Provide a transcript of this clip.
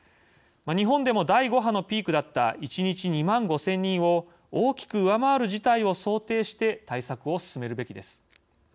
日本でも第５波のピークだった一日２万５，０００人を大きく上回る事態を想定して対策を進めるべきです。